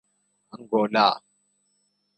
Angola